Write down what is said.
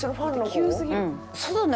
急すぎる。